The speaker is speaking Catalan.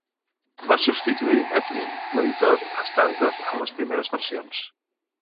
Va substituir edlin, l'editor estàndard en les primeres versions.